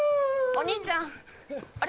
お兄ちゃんあれ？